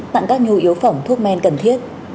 tặng các nhu yếu phẩm thuốc men cần thiết